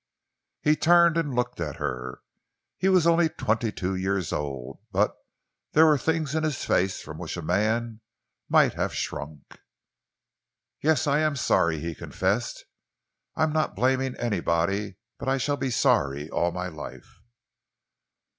He turned and looked at her. He was only twenty two years old, but there were things in his face from which a man might have shrunk. "Yes, I am sorry," he confessed. "I am not blaming anybody but I shall be sorry all my life."